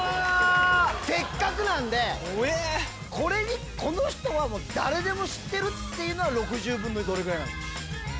せっかくなんでこの人は誰でも知ってるっていうのは６０分のどれぐらいなんですか？